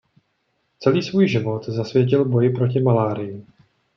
Celý svůj život zasvětil boji proti malárii.